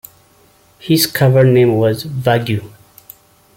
His cover name was "Vague".